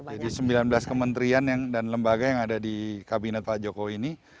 jadi sembilan belas kementerian dan lembaga yang ada di kabinet pak joko ini